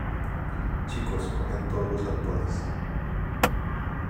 chicos, coged todos los arpones